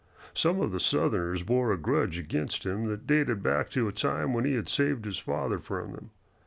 Some of the Southerners bore a grudge against him that dated back to the time when he had saved his father from them.